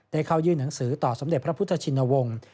เข้ายื่นหนังสือต่อสมเด็จพระพุทธชินวงศ์